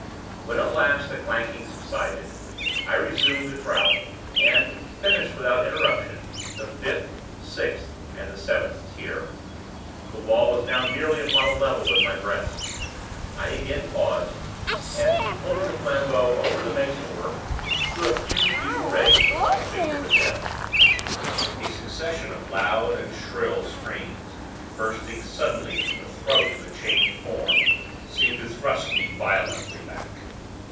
When at last the clanking subsided, I resumed the trowel, and finished without interruption the fifth, the sixth, and the seventh tier. The wall was now nearly upon a level with my breast. I again paused, and holding the flambeaux over the mason work, threw a few feeble rays upon the figure within. A succession of loud and shrill screams, bursting suddenly from the throat of the chained form, seemed to thrust me violently back.